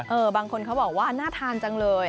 บางคนเขาบอกว่าน่าทานจังเลย